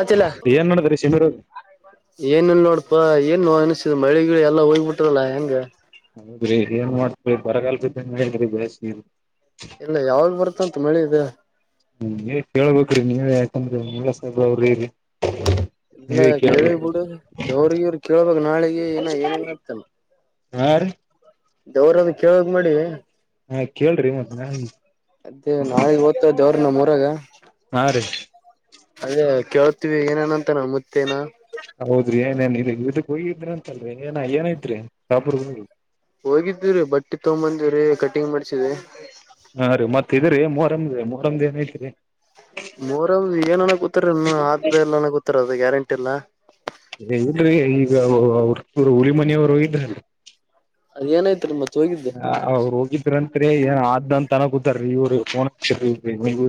ಆತಿಲ ಏನ್ ನಡದ್ರಿ ಶಿಮೀರ್ ಅವ್ರ ಏನನ್ ನೋಡ್ಪ ಎ ನೋು ಮಳೆಗಿಳ ಎಲ್ಲ ಹೋಗ್ಬಿಟ್ರಲ್ಲ ಹೆಂಗೆ ಬರಗಲ್ಪ ಬಸ್ತಿ ಇಲ್ಲ ಯಾವಾಗ ಬರ್ ಅಂತ ಮಳೆ ಇದೆ ಹ್ಮ ಕೇಳ್ಬೇಕ್ರೀ ನೀವ ಯಾಕಂದ್ರೆ ನೀಳಾಸಹೇರ ಅವ್ರರಿ ಇಲ್ಲ ಕೇಳಿ ಬಿಡು ದವ್ರಗ ಇವ್ರ ಕೇಳ್ಬೇಕಕ್ ನಾಳಿಗೆ ಏನ ಏನನ್ ಅತಾನ ಹಾ ರೀ ದವರದ ಕೇಳಕ್ ಮಾಡಿ ಹಾ ಕೇಳ್ರಿ ಮತ್ ನಾ ಅದೇ ನಾಳಿಗ್ ಓತ ಜವ್ರ ನ ಇವಾಗ ಹಾ ರೀ ಅದೇ ಕೇೇಳತೀವಿ ಏನೇನಂತ ಮತ್ತ ನಮುತ್ತೇನಾ ಏನ್ ಇದಕ್ಕೆ ಹೋಗಿದ್ರ ಅಂತಲ್ರಿ ಏನ್ಯನ ಆದ್ರರಿ ಶಾಪರ್ ಹೋಗಿ ಹೋಗಿದ್ದಿರಿ ಬಟ್ಟಿ ತಗೊಂಬಂದಿವರಿ ಕಟ್ಟ ಟಿಂಗ್ ಮಾಡ್ಸಿದೆ ಹಾ ರೀ ಮತ್ ಇದರಿ ಮೂಹರಮ್ದ ಮೂಹರಮ್ದ ಏನ ಐತಿರಿ ಮೂಹರ ಏನನ ಕೂತಾರ ಇನ್ನು ಆದ್ದ ಎಲ್ಲ ಕೂತಾರ ಅದ ಗ್ಯಾರಂಟಿ ಅಟಲ್ಲ ಏ ಇಲ್ರರಿ ಈಗ ಅವ್ರ ಹುರಿಮನೆಯವರು ಇದ ಅದ ಏನಾಯ್ತಿ ಮತ್ತೆ ಅವ್ರು ಹೋಗಿದ್ರಂತರಿ ಏನ ಆದಂತ ತನ ಗೂತ್ತಾರೀ ಇವ್ರು ಫೋನ್ ಹಚ್ಚಿ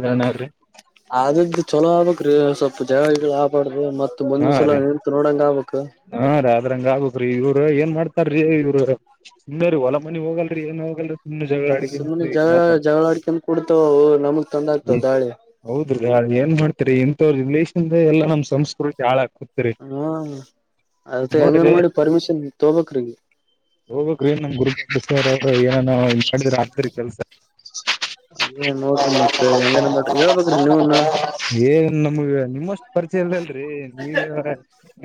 ದಮನ್ರಿ ಅದು ಚಲೋ ಆಗ್ಬಬೇಕು್ರೀ ಸ್ವಲ್ಪ ಜಗಳ ಗಿಗಳ ಆಗಬಾರದು ಅ ಮತ್ತ ಹಾ ಮುಂದಿನಸಲ ರೀ ನಿಂತು ನೋಡಂಗ ಆಗ್ಬೇಕು ರ ಇವ್ರು ಏನ್ ಮಾಡ್ತಾರೀ ಇವ್ರು ಸುಮ್ಮ ಹೊಲ ಮನಿ ಹೋಗಲ್ರಿ ಏನ್ ಹೋಗಲ್ರರಿ ಸುಮ್ಮ್ನೆ ಜಗಳ ಜಗಳ ಅಡಿಕನ್ ಕುಡ್ತಾವ ನಮಗ್ ತೊಂದ ಆಗ್ತವ ದಾಳಿ ಹೌದ್ರಿ ಏನ್ ಇಂಥವ್ರ ರಿಲೇಷನ್ ಎಲ್ಲ ನಮ್ಮ್ ಸಂಸ್ಕೃತಿ ಚಾಳ ಹ ಅದದು ನೋಡ್ರಿ ಹೆಂಗನ್ ಮಾಡಿ ಪರ್ಮಿಷನ್ ತೊಗೊ ಬೇಕ್ರಿ ಹೋಗ್ಬೇಕು ನ್ ನಮ್ ಗುರು ಏನ್ನ ಕಡದ್ರ ಅ್ರ ಕೆಲ್ಸ ಅದೇ ನೋಡ್ರಿ ಮತ್ತ ಹೆಂಗನ ಮಾಡ್ರಿ ಹೇಳ್ಬೇಕ್ರಿ ನೀವನ ಏನ್ ನಮ್ಗ ನಿಮ್ಮಷ್ಟು ಪರಿಚಯ ಇಲ್ಲ ಅಲ್ರಿ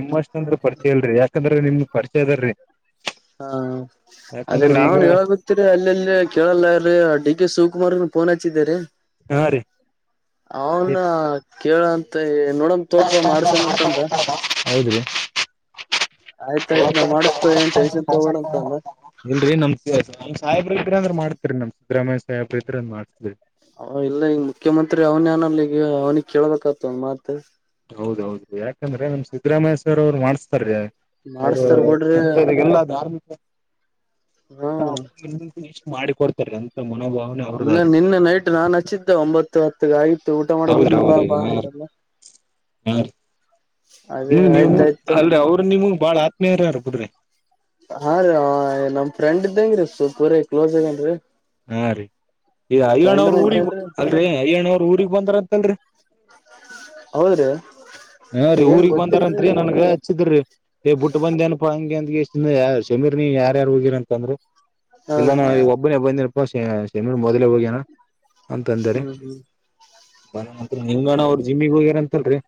ನಿಮ್ಮಷ್ಟೊಂದ ಪರಿಚಯ ಇಲ್ರಿ ಯಾಕಂದ್ರೆ ನಿಮ್ಗ್ ಪರಿಚಯ ಅದರಿ ಹಾ ಅದೇ ಈಗ ನಾವನ್ ಹೇಳಬತ್ತೀರಿ ಅಲ್ಲೆಲ್ಲಿ ಕೇಳಲ್ಲ್ ಡಿ ಕೆ ಶಿವಕುಮಾರ್ ಫೋನ್ ಹಚ್ಚಿದ್ದರಿ ಹಾ ರೀ ಅವೌನ ಕೇಳಂತ ಹೇಳಿ ಹೌದ್ರಿ ಆಯ್ತಾಯ್ತ್ ನಾ ಮಾಡಸ್ತವ ಏನ್ ಟೆನ್ಷನ್ ತಗೋಬೇಡ ಅಂತಂದ ಇಲ್ರಿ ನಮ ನ ಸಾಹಿಬ್ರ ಇಬ್ರಿ ಅಂದ್ರ ಮಾಡ ನ ಸಿದ್ದರಯ ಸಾಬ್ರ ಇದ್ರ್ ಅವ ಇಲ್ಲ ಈಗ ಮುಖ್ಯಮಂತ್ರಿ ಅವ್ನ ಅನಲ್ಲ ಈಗ ಅವ್ನಿ ಕೇಳಬೇಕತ ಮಾತ್ ಹೌದೌದು ಯಾಕಂದ್ರೆ ನಮ್ ಸಿದ್ದರಾಮೇಶ್ವರ್ ಅವ್ರು ಮಾಡ್ಸ್ತಾರ ಅ್ರ ಮಾಡಸ್ತಾರ್ ಬಿಡ್ರಿ ಎ ಹಾ ಇಷ್ಟ್ ಮಾಡಿ ಕೊಡ್ತಾರೆ ಅಂತ ಮನೋಭಾವನೆ ಅವ್ರದ್ದ ಇಲ್ಲ ನಿನ್ನ ನೈಟ್ ನಾನ್ ಹಚ್ಚಿದ್ದೆ ಒಂಬತ್ತು ಹತ್ತುಗ ಆಯತು ಊಟ ಮಾಡಟ ಹೌದ್ರಿ ಕು ಪಾ ಹೌದ್ರಿ ಬಾಲ್ಲ ನೀವು ನೀವು ಅಲ್ರರಿ ಅವರು ನೀವು ಬಾಳ ಆತ್ಮೀಯರರ್ ಕುದ್ರಿ ಹಾ ರೀ ನಮ್ ಫ್ರೆಂಡ್ ಇದ್ದಂಗ್ರೀ ಸ್ವಲ್ಪೂರಿ ಕ್ಲೋಸ್ ಆಗೇನ್ರಿ ಹಾ ರೀ ಈಗ ಅಯ್ಯ್ ಅವ್ರ ಫ್ರೆಂಡ್ನ ಊರಿಗೆ ಐತೇನ್ರಿ ಅ ಅಯ್ಯಾಣ್ ಅವ್ರ ಊರಿಗೆ ಬಂದ್ರ ಅಂತಲ್ರಿ ಹೌದ್ರಿ ಹಾ ರೀ ಏನ್ ಊರಿಗೆ ಗೊತ್ತಿಲ್ರಿ ಬಂದಾರತ್ರಿ ಹಾ ನನ್ಗ ಹಚ್ಚಿದ್ರೀ ಬಿಟ್ಟ ಬಂದ ಏನಪಾ ಹಂಗೆ ಶಮೀರ್ ನೀ ಯಾರ ಯಾರ್ ಹೋಗಿರ ಅಂತಂದ್ರೆ ಇಲ್ಲ ನಾ ಈ ಒಬ್ಬನೇ ಬಂದ ಶಮ ಮೊದಲ ಹೋಗ ಅಂತಂದಾರೆ ಹ್ಮ್ ಹ್ಮ್ ಮ ನಿಂಗಣ ಅವರು ಜಿಮ್ಮಿಗೆ ಹೋಗ್ಯಾರಂತ ಇಲ್ರಿ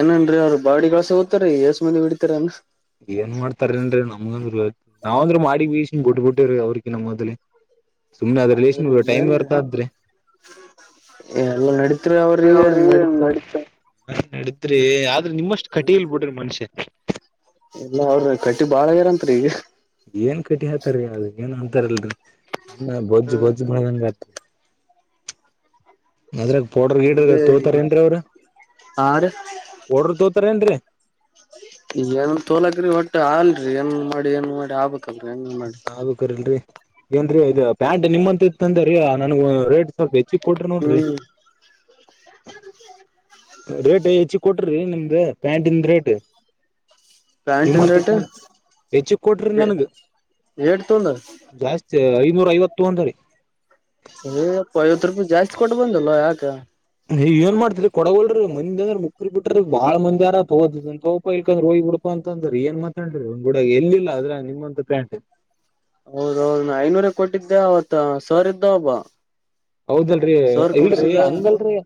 ಏನನ್ರೀ ಅವ್ರು ಬಾಡಿ ಗಳಸ ಓರ ಎಷ್ಟ ಮಂದೆ ಹ ಬಿಡಿತಾರ ಅ ಏನ್ ಮಾಡ್ತಾರ ಅನ್ ನಮಗಂದ್ರು ನಾವಂದ್ರರು ಮಾಡಿ ಬಷನ್ ಬಿಡ್ ಬಿಟ್ಟೇವ್ರ ಅವ್ರಕ ನಮ್ಮ ಮದಲಿ ಎಲ್ಲ ನಡೀತ್ರು ಅವ [unintelligible] ಹ ನಡತ್ರಿ ಯಾವ ಆದ್ರೂ ನಿಮ್ಮಷ್ಟ ಕಟ್ಟಿಲ್ ಬಿಡ್ರೆ ಮನುಷ್ಯ. ಎಲ್ಲ ಅವ್ರ ಕಟ್ಟಿ ಬಾಳಗರಂತ್ರಿ ಈಗ. ಏನ್ ಕಟಿ ಹಾತಾರ ಅ ಏನ್ ಅಂತಾರಲ್ರಿ, ಅ್ಣ ಬೋಜ್ಜ ಹ್ಮ ಬೋಜ್ಜ ಬೆಳದು ಅದ್ರಗ ಪೌಡರ್ ಗಿಡರ್ ಅದೇ ತೋತಾರ ಏನ್ರೀ ಅವ್ರ. ಆರ ಪೌಡರ್ ತೋತಾರ ಏನ್ರೀ. ಏನ್ ತೋಲಕ್ರಿ ಒಟ್ಟು ಅಲ್ರಿ ಏನ್ ಮಾಡಿ, ಏನ್ ಮಾಡಿ ಆಗ ನಾ ಬೇಕರಿಲ್ರರಿ. ಏನ್ ರಿ ಇ ಪ್ಯಾಂಟ್ ನಿಮ್ಮಂತದೇ ನನ್ಗ ರೇಟ್ ಸ್ವಲ್ಪ ಹೆಚ್ಚಿಗ ಕೊಟ್ರ ನೋಡ್ರಿ. ಹ್ಮ್ ರೇಟ್ ಹೆಚ್ಚಿ ಕೊಟ್ರಿ. ನಿಮ್ದ ಪ್ಯಾಂಟಿಂದ ರೇಟ್, ಪ್ಯಾಂಟ ನಿಮ್ಮಂತ ನಾರೇಟ್ ಹೆಚ್ಚಿಗ್ ಕೊಟ್ರಿ ಎ ನನ್ಗ್ ಏಟ್ ತೊಂಡ್ರರಾ. ಜಾಸ್ತಿ ಐನೂರ ಐವತ್ತ ತೊಂದ್ರೀರಿ. ಏಪ್ಪ ಐವತ್ತು ರೂಪಾಯಿ ಜಾಸ್ತಿ ಕೊಟ್ಟ ಬಂದಲ್ಲ. ಯಾಕ, ನೀವ್ ಏನ್ ಮಾಡ್ತೀರಿ ಕೊಡವಲ್ಲರು ಮಂದಿ ಅಂದ್ರ ಮುಕ್ಕರ್ ಬಿಟ್ರ ಬಾಳ್ ಮಂದಿ ಆರ ತಗೋದ ತಗೋಪಾ ಇಳ್ಕಂದ್ರ ರ ಹೋಗಿ ಬಿಡಪ ಅಂತ ಅಂದ್ರರಿ. ಏನ್ ಮಾತಾಡ್ಲ್ರಿ ಅವ್ರ ಗುಡ ಎಲ್ಲಿಲ್ಲ ಅದ್ರ ನಿಮ್ಮಂತ ಪ್ಯಾಂಟ್. ಹೌದೌದ ಐನೂರ ಕೊಟ್ಟಿದ್ದ. ಅವತ್ ಸರ್ ಇದ್ದ ಒಬ್ಬ. ಹೌದಲ್ರರಿ. ಸರ್ ಇಲ್ರಿ, ಕೊಡ್ಸಿದ ಹಂಗಲ್ರಿ,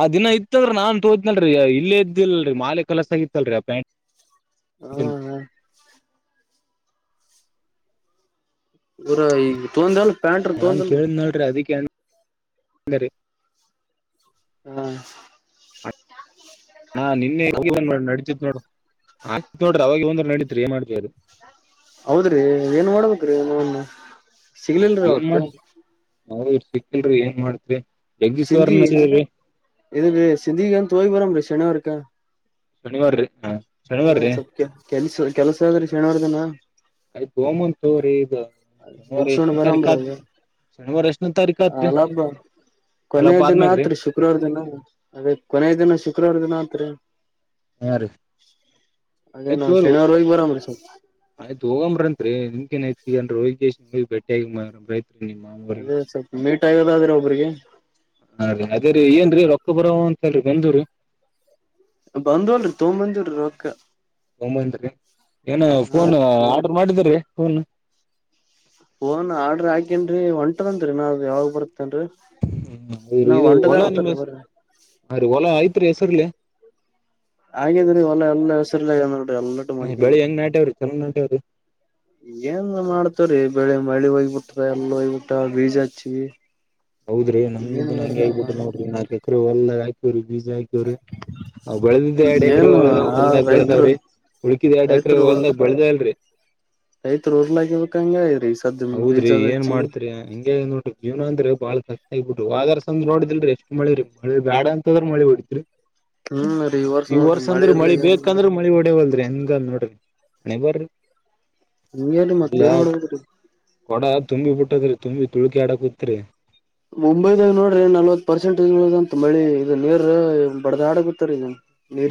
ಆ ದಿನ ಇತ್ತಲ್ ನಾನ್ ತೋಯ್ತನಲ್ರಿ ಇಲ್ಲೇ ಇದ್ದಿಿಲ್ಲಲ್ರರಿ ಮಾಲೆ ಕಲಸ ಆಗತ್ತಲ್ರರಿ. ಆ ಪ್ಯಾಂಟ್ ಹ್ಮ, ಹ್ಮ್ ಇರ ಈಗ ತೊಂಡೆಲ್ಲ. ನಾನ್ ಕೇಳ್ದ್ ಅಲ್ರೀ ಅದಿಕ್ಕೆ ಅದರಿ ಹ್ಮ್. ಹಾ ನಿನ್ನೆ ನಡತಿತ್ ನೋಡ್ರ ಆತ್ ನೋಡ್ರಿ ಅವಾಗ ಒಂದ್ರ ನಡೀತ್ರಿ ಏ ಮಾಡ್ತಿವಿ ಹೌದ್ರಿ ಏನ್ ಮಾಡ್ಬೇಕ್ರೀ ನೌನ್ ಸಿಗ್ಲಲ್ರರಿ ಅವತ್ತು. ನಾವ ಸಿಕ್ಕಿಲ್ರರಿ ಏನ್ ಮಾಡ್ತ್ರಿ. [unintelligible] ಈ ಸಿಂದಗಿಗಂತಾ ಹೋಗಿಬರಮ್ರೀ. ಶನಿವಾರಕ, ಶನಿವಾರ ರಿ ಹಾ, ಹಾ ಸ್ವಲ್ಪ ಕೆ ಕೆಲ್ಸ ಕೆಲ್ಸ ಆದ್ರೆ ಶನಿವಾರ್ಧಿನ. ಆಯ್ತ್ [unintelligible] ಶನಿವಾರ ಮುಂಸಣ ಎಷ್ಟನ ತಾರೀಕ ಬರಾಮ್ರ ಆದ್ ಅ ಶನಿವಾರ ಎಷ್ಟನ ತಾರೀಕ ಆತ್ರಿ ಅಲ್ಲಬ್ಬ ಅಲ್ಲ ಕೊನೆಯ ಹಬ್ಬ ದಿನ ಆದ್ಮ್ಯಾಗ್ರಿ ಆತ್ರಿ ಶುಕ್ರವಾರ ದಿನ ಅದೇ ಕೊನೆಯ ದಿನ ಶುಕ್ರವಾರ ದಿನ ಆತ್ ಕತ್ರತ್ರ ಹಾ ರೀ ಅದೇ ನಾವ್ ಆಯ್ತು ಶನಿವಾರ ಹೋಗಿ ಬರಮ್ರಿ ಸ್ವಲ್ಪ ಆಯ್ತು ಹೋಗಂಬ್ರತ್ರಿ ನಚಿಕರ ರೋಹಿ ಜೇಶಷಿ ಮದ ಬೆಟ್ಟಿಯಾಗಿ ಮಾಡ ಪ್ರೈತ್ ಅದೇ ಸ್ವಲ್ಪ ನೀಟ್ ೋದಾದ್ರೆ ಒಬ್ರಿಗೆ ಹಾ ಅದೇ ರೀ ಏನ್ರೀ ರೊಕ್ಕ ಬರೋ ಅಂತಲ್ರಿ ಬಂದೂ್ರ ಬಂದವಲ್ರಿ ತೋಂಬಂದಿರ ಅಕ್ಕ ಒಂಬೈಂತಕ್ಕೆ ಏನ ಫೋನ್ ಆರ್ಡರ್ ಮಾಡಿದ್ರೀ ಹೂನ್ ಓನ್ ಆರ್ಡ್ರ ಹಾಕೇನ್ರಿ ಒಂಟದಂತರಿ ನಾ ಅದು ಯಾವಾಗ ಬರ ಹ್ಮ ಇದು ಹೊಲ ಅಂತರಿ ಬರ್ರಿ ನಿಮ್ಮ್ರ ಹೊಲ ಆಯ್ತ ಅತ್ರ ಹೆಸರಿಲ್ಲ ಹಾಗೇದ್ರೀ ಒಲ್ಲ ಎಲ್ಲ ಹೆಸರ್ ಎಲ್ಲಟು ಮಾಡಕೊಂಡಿ ಬೆಳಿ ಹೆಂಗ್ ನಾಟ್ಯಾವ್ರಿ ಚಲೋ ನಾಟ್ಯಾವ್ರಿ ಏನ್ ಮಾಡ್ತವ್ರೀ ಬೆಳೆ ಮಳೆ ಹೋಗ್ಬಿಟ್ಟ್ರ ಎಲ್ಲ ಹಯ್ಬಿಟ್ಟ ಬೀಜ ಹಚ್ಚಿವ ಹೌದ್ರಿ ನಂಗ್ದು ಹಂಗೆ ಆಗಬಿಟ್ಟು ನೋಡ್ರಿಾಕ ಕವ ಕೊಬ ್ ಬೆಳೆದಿದ್ದ ಎರಡ್ ಎಕರೆ ಏನು ಆ ಒಂದಾಗ ರೈತರು ಬೆಳೆದಾವ್ರಿ ಉಳಕಿದ್ ಎರಡ್ ಎಕರೆ ರೈತರು ಒಂದಾಗ ಬೆಳದ ಅಲ್ರಿ ರೈತರು ಉರ್ಲಾಗಿಬೇಕಂಗ ರೀ ಸದ್ದ ಹೌದ್ರಿ ಬೀಜದ ಏನ್ ಹಚ್ಚಿ ಮಾಡ್ತ್ರಿ ಹಿಂಗಗೆ ನೋಡ್ರಿ ಜೀವನ ಅಂದ್ರೆ ಬಾಳ ಕಷ್ಟ ಆಗ್ಬ ಬಿಿಟ್ಟು ಅಾರ್ಸಂದ ನೋಡಿಲ್ರಿಷ್ಟ ಮಳಿರಿ ಮಳಿ ಬ್ಯಾಡ ಅಂತ ಅದ್ರ ಮಳಿ ಹೊಡಿತತ್ರಿ ಹ್ಮ್ ರೀ ಈ ನೋಡ್ರಿ ವರ್ಷ ಮಳೆ ಅಂದ್ರೆ ಇಲ್ಲ ಮಳಿ ಏನಿಲ್ಲ ಬೇಕಂದ್ರೆ ಮಳಿ ಒಡೆವಲ್್ರಿ ಹೆನ್ ಅ ಬ ಹಗೆಲ್ಲ ಮತ್ತ ಮಾಡೋಡ ಕೊಡ ತುಂಬಿ ಬಿಟ್ಟದ್ರರಿ ತುಂಬಿ ತುಳ್ಕಿ ಆಡ ಕುೂತ್ರಿ ಒಂಬೈದಾಗ ನೋಡ್ರಿ ನಲ್ವತ್ ಪರ್ಸೆಂಟಜ್ೋಂತ ಮಳಿ ಇದ ನೀರ್ ಬಡದ ಆಡಗುತ್ತರಿ ಇದ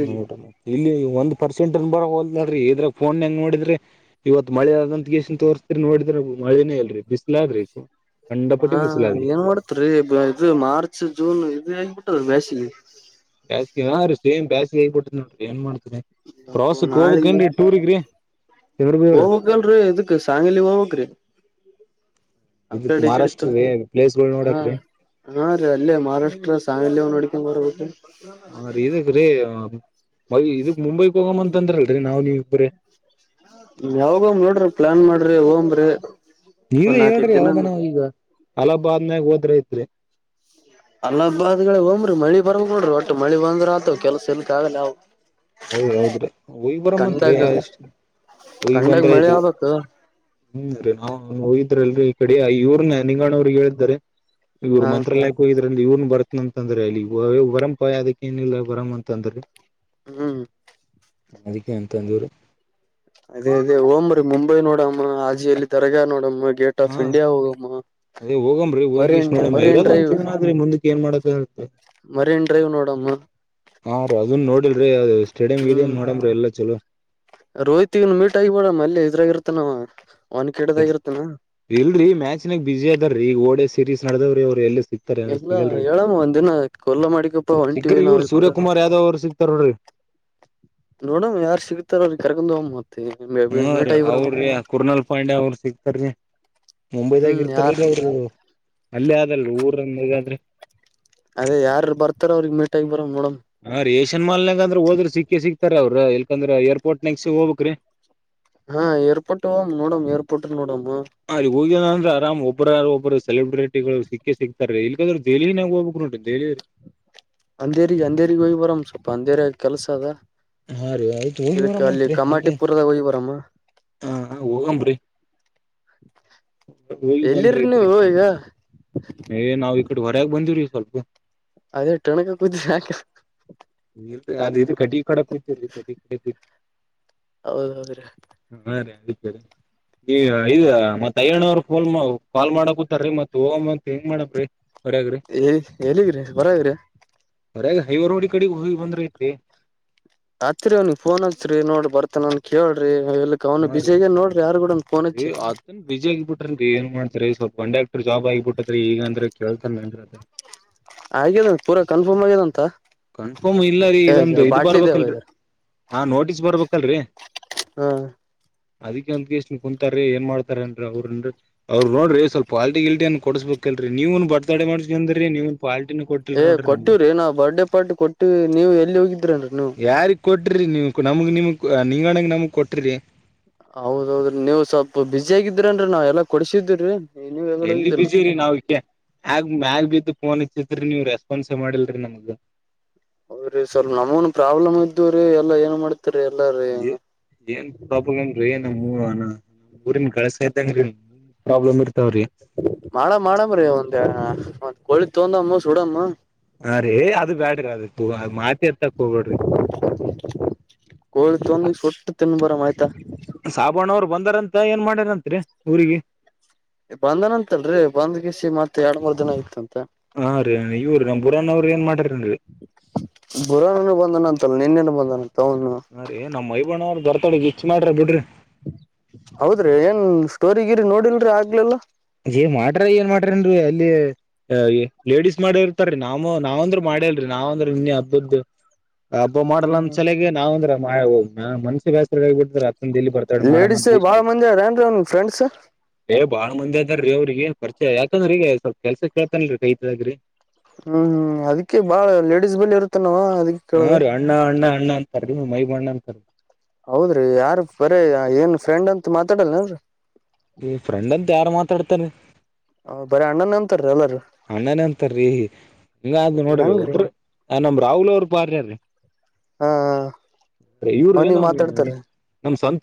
ನೋಡ ಇಲ್ಲಿ ಒಂದ್ ಪರ್ಸೆಂಟ್ನ್ ಬರಲ್ ್ರಿ ಇದ್ರಾಗ ಫೋನ್ ಹೆಂಗ್ ನೋಿದ್ರಿ ಇವತ್ಳೆ ಆದಂತ ಗಸನ್ ತೋರ್ತರಿ ನೋಡ್ರ ಮಳನೇ ಇಲ್ರೀ ಬಿಸ್ಲಾದ್ರಿ ಹಾ ಕಂಡಪಟ್ಟಿ ಬಿಸ್ಲಾದ್ರಿ ಏನ್ ಮಾಡತ್ರಿೀ ಇದು ಮಾರ್ಚ್ ಜೂನ್ ಇದು ಹೇಬಿಟ್ಟದ ಬ ಕ ಗಸ್ [inaudible] ಸೇಮ ಬ್ಯಾಾಸಿಗಗ್ಬಿು ನೋ್ರ ಏನ್ ಮಾಡ ನಾಳೆ ಚಂದ್ರ ಬಿ ಅವ್ರ ಹವಕಲ್ರಿೀ ಎದುಕ್ಕ ಸಾಾಯಾಲ ಹೋಗಕ್ ರೀ [inaudible] ಆ ಇದಕ್ ಕಡೆ ಕತ್ತುು ಮಹಾರಾಷ್ಟ್ರ ರೀ ಪ್ಲೇಸ್ಗಳು ಹ ನೋಡಕ್ರಿ ಹಾ ರೀ ಅಲ್ಲೇ ಮಹಾರಾಷ್ಟ್ರ ಸಾಮಿ ನೋಡ [unintelligible] ಹಾ [unintelligible] ಬೈ ಇದಕ್ ಮುಂಬೈಕ್ ಹೋಗಮ್ಮ ಅಂತ ಅಂದ್ರಲ್ರಿ ನಾವ್ ನೀವ ಇಬ್ರೇ. ಯಾವಾಗ ನೋಡ್ರಿ ಪ್ಲಾನ್ ಮಾಡ್ರಿ ಹಂಬ್ರಿ. ನೀವೆ ಹೇಳ್ರಿ ಯಾವದನ ಈಗ. ಹಲಬಾದ್ಮ್ ಮೇ ಹೋದ್ರ ಐತ್ರಿ ಅಲ್ಲಬಾದ್ಗಳ ಒಮ್ರೀ ಮಳಿ ಬರಂಗ ಕೊಡ್ರಿ ಒಟ್ಟು ಮಳಿ ಬಂದ್ರ ಆತ ಕೆಲ್ಸ ಇಲ್ಕ್ ಆಗಲ್ಲ ಅವು. ಹೌದ್ರಿ ಹೌದ್ರಿ ಹೋಯ್ತ್ ಬರಮ್ ಅನ್ತ್ರಿ ಒಯಿ ಕಂಡಾಗ ಬಂದ್ರ ಮಳೆ ಆಯ್ತು ಆಗ್ಬೇಕು [unintelligible] ಯಲ್ರು ಈ ಕಡೆ ಇವ್ರನ ನಿಂಗಾಣವ್ರಿಗೆ ಹೇಳಿದ್ದಾರೆ. ಇವರು ಹಾ ಮಂತ್ರಾಲಯಕ್ಕೆ ಹೋಗಿದು. ಇವನ್ ಬರ್ತನ ಅಂತಂದ್ರೆ ಇಲ್ಲಿ ವರಂ ಪಾಯ ಅದಕ್ಕೆ ಏನಿಲ್ಲ ಬರಮ ಅಂದ್ರು. ಹ್ಮ್ ಅದಿಕ್ಕೆ ಅಂತದಾರು. ಅದೇ ಅದೇ ಓಂ [unintelligible] ಮುಂಬೈ ನೋಡಮ್ಮ ಹಾಜಿಯಲ್ಲಿ ತರಗ ನೋಡಮ್ಮ. ಗೇಟ್ ಆಫ್ ಹಾ ಇಂಡಿಯಾ ಹೋಗಮ್ಮ ಅದೇ ಹೋಗಮ್ರಿ ಹೋಗಿಷ್ಟ ಮರಿನ್ ನೋಡಾನ್ರಿ ಮರಿನ್ ಇರುವುದು ಒಂದು ಡ್ರೈವ್ ಜೀವನ ಮುಂದಕ್ಕೆ ಏನ್ ಮಾಡಕ ಆಗುತ್ತೆ. ಮರಿನ್ ಡ್ರೈವ್ ನೋಡಮ್ಮ [unintelligible] ಹ್ಮ್ ರೋಹಿತ್ಗೂನ್ ಮೀಟ್ ಆಗಬಿಡಮ ಅಲ್ಲಿ ಇದ್ರಾಗಿರ್ತ್ತ. ಇತ್ತನವ ಇಲ್ರಿ ಮ್ಯಾಚಿನಾಗ ಬಿಝಿ ಅದಾರೀ ಓಡೆಸ್. ಸೀರೀಸ್ ನಡೆದವ್ರೆ ಅವರು ಎಲ್ಲೂ. ಎಲ್ಲ ಹೇಳಮ್ಮ ಒಂದಿನ ಕೊಲ್ಲ ಮಾಡಿಕಪ್ಪ ಹೊಂಟಿವಿ ಸಿಕ್ಕ್ರಿ ಇವ್ರು ನಾವಿಬ್ರು. ಸೂರ್ಯಕುಮಾರ್ ಯಾದವ್ ಅವ್ರು ಸಿಕ್ತಾರ ನೋಡ್ರಿ ನೋಡಮ್ಮ ಯಾರು ಸಿಗತಾರ ಕರ್ಕೊಂಡ್ ಹೋಗಮ. ಹ್ಮ ರೀ ಅವ್ರಿ ಕುರ್ನಾಲ್ ಪಾಂಡ್ಯ ಅವ್ರ ಸಿಗ್ತಾರೀ ಮುಂಬೈದಾಗ ಹ್ಮ್ ಯಾರ್ ಇರ್ತಾರಲ್ರಿ ಅವರು. ಅಲ್ಲೇ ಆದಲ್ರಿ ಊರಂದಗಾದ್ರೆ. ಅದೇ ಯಾರು ಬರ್ತಾರ [unintelligible] [unintelligible] ಏಷ್ಯನ್ ಮಾಲ್ನಾಗ ಆದ್ರು ಹೋದ್ರ ಸಿಕ್ಕಿ ಸಿಕ್ತಾರೆ ಅವ್ರರು ಏಕೆಂದ್ರೆ ಏರ್ಪೋರ್ಟ್ ನಾಗ್ ಸಿಗ್ ಹೋಗಬೇಕ್ರಿ ಹಾ ಏರ್ಪೋರ್ಟ್ ಹ್ ನೋಡೋನ್ ಏರ್ಪೋರ್ಟ್ ನೋಡುನ್ ಅ ಹೋಗ್ಯ ಅಂದ್ರೆ ಆರಾಮ್ ಹೋ. ಒಬ್ಬ್ರ ಒಬ್ಬರು ಸೆಲೆಬ್ರಿಟಿ ಗಳು ಸಿಕ್ಕೇ ಸಿಕ್ತಾರ ಇಲ್ಗಾದ್ರರು ದೆಹಲಿನಾಗ ಹೋಗ್ಬೇಕ್ ನೋಡ್ರಿ ದೆಹಲಿ ರೀ ಅಂದೇರಿಗೆ ಅಂದೇರಿಗೆ ಹೋಗ್ ಬರಾಮ್ ಸ್ವಲ್ಪ ಅಂದೇರಿ ಕೆಲಸ ಆದ ಹಾ ರೀ ಆಯ್ತು ಹೋಗಿ ಬರಂ ಅಂತ್ರಿ ಹಂಗೆ ಕಮಾಟಿಪುರದಾಗ ಹೋಗಿ ಬರಮ್ಮ ಹಾ ಹೋಗಂ ಬುಡಿ. ಹೋಗ್ ಬಂದ್ರ್ ಎಲ್ಲಿರಿ ಐತ್ರಿ ನೀವು ಈಗ ಏ ನಾವು ಈಕಡೆ ಹೊರಾಗ ಬಂದಿವ್ರಿ. [unintelligible] ಅದೇ [unintelligible] ಇಲ್ ಅ ಇದು ಕಡಿ ಕಡ ಕುಯ್ತೀ ಕಟ್ಟ ಕಡೆ ಕುಯ್ತರಿ ಹೌದ್ ಹೌದ್ರೀ ಸರಿ ಈ ಮತ್ ಅಯ್ಯಣ್ಣವ್ರ ಫೋನ್ ಕಾಲ್ ಮಾಡಕತಾರೀ ಮತ್ ಹೋಗಂತ ಹೆಂಗ ಮಾಡನ್ರೀ ಏ ಹೇಳಿದ್ರಿ ಬರಾವ್ರಿ ಹೊರಐವರುೋ [inaudible] ಕಡೆ ಹೋಗಿ ಬಂದ್ರಐತಿ ರಾತ್ರಿ ಅವನಿಗೆ ಫೋನ್ ಹಚ್ಚಿರಿನೋಡ ಬರ್ತಾನನ್ ಕೇಳ್ರಿ ಎಲ್ಲಿಕ್ ಅವ್ನು ಹಾ ರೀ ಬಿಜಿ ಆಗ್ಯಾನ್ ನೋಡ್ರಿ ಯಾರ್ ಕೂಡನ್ ಫೋನ್ ಹಚ್ಚಿ ಏ ಅದನ್ ಬಿಜಿಯ ಹಂಗಬಿಟ್ರ ಏನ್ ಮಾಡ್ತಾರ ಸ್ವಲ್ಪ ಕಂಡಕ್ಟ್ರರ್ ಜಾಬ್ ಆಗಿಬಿಟ್ಟತ್ ಈಗ ಅಂದ್ರೆ ಕೇಳ್ತನ್ ಅನ್ದ ಹಾಗ್ಯದ ಪೂರ ಕನ್ಫರ್ಮ್ ಆಗ್ಯದಂತ ಕನ್ಫರ್ಮ್ ಇಲ್ಲರೀ ಇದೊಂದು ಇ ಬಾಟ್ಲಿ ಇದ್ದೇ ಬರ್ಬೇಕಲ್ರಿ ಬೈದರ್ ಹಾ ನೋಟಿಸ್ ಬರ್ಬೇಕಲ್ರಿ ಹಾ ಅದಿಂದ್ ಇಷ್ಟ ಕುಂತಾರೀ ಏನ್ ಮಾಡತಾರನ್ರಿ ಅವ್ರನ್ರಿ ಅವ್ರು ನೋಡ್ರ ಸ್ವಲ್ ಪಾಲ್ಟಿ ಕಿಲ್ಟಿನ ಕೊಡ್ಸ್ಬೇಕಕ್ಲ್ರರಿ ನೀವನ್ ಬರ್ತಡೆ ಮಾಡ್ಸ್ಕಂಡೀರೀ ನೀವನ್ ಪಾಲ್ಟಿನ ಕೊಟ್ಟಿಲ್ ಏ ನೋಡ್ರಿ ನಮ್ಗ ಕೊಟ್ಟಿವವ್ರಿ ನಾವವು ಬರ್ಡೇ ಪಾರ್ಟಿ ಕೊಟ್ಟು ನೀವು ಎಲ್ಲಿ ಹೋಗಿದ್ದ ಯಾರಿಗ್ ಕೊಟ್ಟ ಕೊಟ್ರಿ ನೀ ನಮಗ್ ನಿಮ ನೀಂಗಣಗ್ ನಮಗ್ ಕೊಟ್ರರಿ ಹೌದೌದೀ ನೀವು್ ಸ್ವಲ್ಪ ಬಿಸಿ ಆಗಿದ್ರನ್ರರಿ ನಾವ್ ಎಲ್ಲಾ ಕೊಡ್ಸಿದಿ್ರರಿ ಎಲ್ಲಿ ಬಿಸಿಿರಿ ನಾವಕ ಮ್ಯಾಗ ಬ ಫೋನ್ ಇತ್ತತ್ರಿ ನೀವು್ ರೆಸ್ಪಾನ್ಸ್ ಮಾಡಿಲ್ರಿ ನಮಗ ಅವ್ರೀ ಸ್ವಲ್ಪ ನಮಗನು ಪ್ರಾಬ್ಲಮ್ ಇದ್ವ್ರೀ ಎಲ್ಲಾ ಏನ್ ಮಾಡ್ ಏನ್ಏನ್ ಪ್ರಾಬ್ಲಮ ನಮ್ಗೆಲಿ ಹೂ ಅಣ್ಣಾ ನಮ್ಮ್ ಊರಿನ್ ಗಳಸತಂಗ್ರ ಪ್ರಾಬ್ಲಮ್ ಇರ್ ಮಾಡ ಮಾಡಮ್ರರಿ ಒಂದ ಮ ಕೊಳಿ ತೋಂದಮ್ಮ ಸೂಡಮ್ಮ ಅರಿ ಅದು ಬ್ಯಾಡ ಅದು ಹಾಗ್ ಮಾಡ್ ಕೋಳ ತಂದು ಸುಟ್ಟು ತಿನ್ಬುಡವತ ಆಯ್ತಾ ಸಾಬಣ್ಣ ಅವ್ರು ಬಂದಾರಂತ ಏನ್ ಮಾಡ್ಯಾರತ್ರಿ ಊರಿಗೆ ಬಂದನಂತಲ್ರಿ ಬಂದ್ಗಿಸಿ ಮತ್ ಎರಡ್ ಮೂರ್ ಜನ ಆಯತ ಹಾ ರೀ ಇವ್ರ ನಮ್ಮ ಬುರಾನವರು ಏನ್ ಮಾಡಾಾರನ್ರಿ ಬುರಾನನು ಬಂದನಂತಲ್ಲ ನಿನ್ನೆನು ಬಂದನಂತ ಅವನು ನಾ ರೀ ನಮ್ಮ ಮೈ ಬಣ್ಣ ಅವ್ರ ಬರೋಲ್ಕೊಳ್ರಿ ರಿಚ್ ಮಾಡ್ರಿ ಬಿಡ್ರಿ ಹೌದ್ರಿ ಏನ್ ಸ್ಟೋರಿಗಿರಿ ನೋಡಿಲ್ರಿ ಆಗ್ಲಲ್ಲಾ ಏ ಮಾಡ್ರಿ ಏನ್ ಮಾಡ್ರಿನ್ರಿ ಅಲ್ಲಿ ಲೇಡೀಸ್ ಮಾಡೇ ಇರ್ತಾರೀ ನಾವ ನಾವಂದ್ರೂ ಮಾಡೇಲ್ರರಿ ನಾವ್ಂದ್ರ ಇನ್ನೆ ಹಬ್ಬದ್ದ ಹಬ್ಬ ಮಾಡಲ್ ಅಂದ್ ಚಲಗ್ ನಾವ್ ಅಂದ್ರ ಮಾಯ ಹೋಗಾ ಮನ್ಸಿಗೆ ಬಸ್ರ ಆ ಬಿ್ರ ಲೇಡಿಿಸಸ್ ಬಾಳ ಮಂದಿ ಅವ್ರೇನ್ರಿ ನಿಮ್ ಫ್ರೆಂಡ್ ಸ್ ಏ ಬಾಳ ಮಂದಿ ಅದಾರೀ ಅವ್ರಿಗೆ ಪರಿಚಯ ಯಾಕಂದ್ರ ಈಗ ಸ್ವಲ್ಪ ಕೆಲ್ಸ ಕೇಳ್ತನ್ಲ್ರೀ ಕೈತಗ್ರಿ ಹ್ಮ್ ಹ್ಮ್ ಅದಕ್ಕೆ ಬಾಳ ಲೇಡಿಸಸ್ ಬಳಿ ಇರುತ್ತಾನಾವ ಹಾ ರೀ ಅಣ್ಣ ಅಣ್ಣ ಅಣ್ಣ ಅಂತರಿ ನಂತರ [unintelligible] ಹೌದ್ರಿ ಯಾರ ಬರೇ ಏನ್ ಫ್ರೆಂಡ್ ಅಂತ ಮಾತಾಡಲ್ಲಾವರಿ ಈ ಫ್ರೆಂಡ್ ಅಂತ ಯಾರು ಮಾತಾಡ್ತಾರೆ ಹ ಬರ ಅಣ್ಣ ಅಣ್ಣನ ಅಂತರ್ ರಿ ಅಣ್ಣನ ಅಂತಾರೀ ಹಿಂಗ ಅ ನೋಡ್ರಿ ಹೆಂಗ್ರೀ ಒಬ್ರ ನಮ್ಮ ರಾಹುಲ್ ಅವರು ಪಾಡ್ರಾರ್ರಿ ಹಾ ಅವನಿಗೆ ಮಾತಾಡ್ತಾರೆ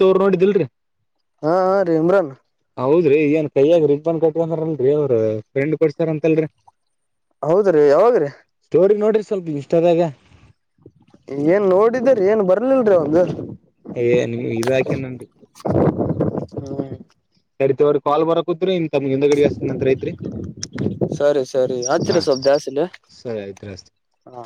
ಟೂರ್ ನೋಡಿದಿಲ್ರಿ ಹಾ ಹ ರಿ ಈಮ್ರನ್ ಹೌದ್ರಿ ಏನ್ ಕೈಯಗ ರಿಂಗ ಬನ್ ಕಟ್ಟಾರಲ್ರರಿ ಅವ್ರ ಫ್ರೆಂಡ್ ಕೊ ಸರ್ ಅಂತಲ್ರಿ ಹೌದ್ರೀ ಯಾವಾಗ್ರೀ ನೋಡ್ರಿ ಸ್ವಲ್ಪ ಇನ್ಸ್ಟಾದಾಗ ಏನ್ ನೋಡಿದರಿ ಏನ್ ಬರ್ಲಲ್ರಿ ಒಂದು ಅ ನೀ ಈ ಬಾ ಹ್ಮ್ [inaudible] ಸರಿತಿವ್ರ ಕಾಲ್ ಬರಕೂತ್ರಿ ಇನ್ ತಮ್ಗೆ [inaudible] ಗಡಗಸ್ ನಂತರ ಐತ್ರಿ ಸರಿ ಸರಿ ಹಾ ಹತ್ತರಿ ಸವಪ್ ಜಾಸ್ಲಿ ಸರಿ ಆಯ್ತ್ರಿ ಹಸ್ತಿನ್ ಹಾ